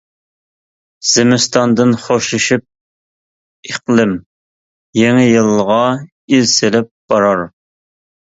زىمىستاندىن خوشلىشىپ ئىقلىم، يېڭى يىلغا ئىز سېلىپ بارار.